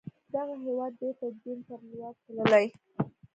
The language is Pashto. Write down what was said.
دغه هېواد بیرته د دين پر لور تللی